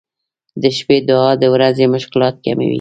• د شپې دعا د ورځې مشکلات کموي.